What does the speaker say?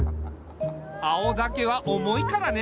青竹は重いからね。